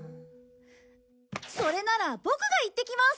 それならボクが行ってきます！